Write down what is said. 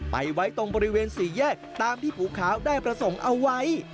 ไปไว้ตรงบริเวณสี่แยกตามที่ภูขาวได้ประสงค์เอาไว้